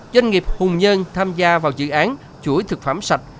doanh nghiệp hùng nhân tham gia vào dự án chuỗi thực phẩm sạch